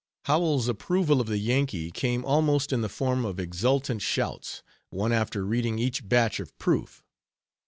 Howells's approval of the Yankee came almost in the form of exultant shouts, one after reading each batch of proof.